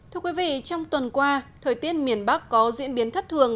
thưa quý vị trong tuần qua thời tiết miền bắc có diễn biến thất thường